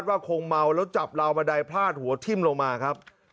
ว่าคงเมาแล้วจับราวบันไดพลาดหัวทิ้มลงมาครับ